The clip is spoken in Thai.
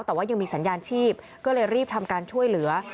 แต่ว่ายังมีสัญญาณชีพก็เลยรีบทำการช่วยเหลือ